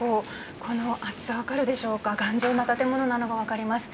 この厚さ分かるでしょうか頑丈な建物なのが分かります。